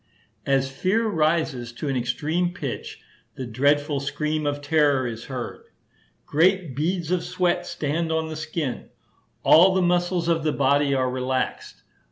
As fear rises to an extreme pitch, the dreadful scream of terror is heard. Great beads of sweat stand on the skin. All the muscles of the body are relaxed.